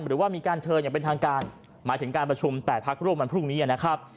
หรือว่ามีการเชิญอย่างเป็นทางการหมายถึงการประชุม๘พักร่วมวันพรุ่งนี้นะครับ